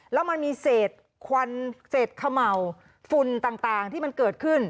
แล้วมันมีเศษควันเศษเขม่าฝุ่นต่างที่มันเกิดขึ้น